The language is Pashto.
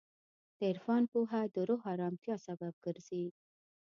د عرفان پوهه د روح ارامتیا سبب ګرځي.